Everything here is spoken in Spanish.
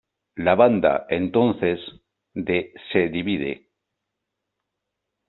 La banda entonces de se divide.